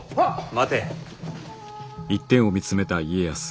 待て。